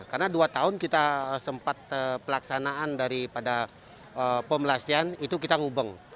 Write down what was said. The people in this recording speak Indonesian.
karena dua tahun kita sempat pelaksanaan daripada pembelasian itu kita ngubeng